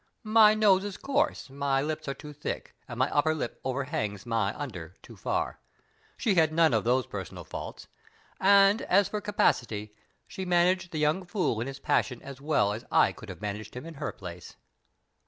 My nose is coarse, my lips are too thick, and my upper lip overhangs my under too far. She had none of those personal faults; and, as for capacity, she managed the young fool in his passion as well as I could have managed him in her place."